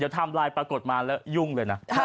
ทำไลน์ปรากฏมาแล้วยุ่งเลยนะ